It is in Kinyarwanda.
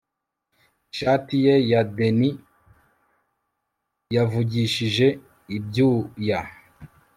ishati ye ya denim yavugishije ibyuya